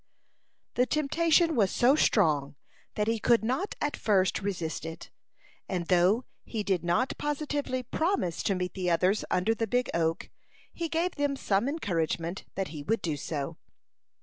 The temptation was so strong that he could not at first resist it; and though he did not positively promise to meet the others under the big oak, he gave them some encouragement that he would do so.